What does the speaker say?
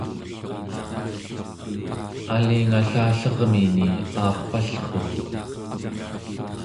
alingallallermini aarpallruuq